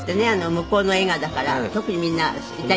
向こうの映画だから特にみんなイタリア人の。